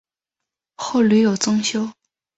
后屡有增修。